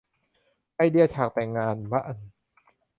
ไอเดียฉากแต่งงานบ้าน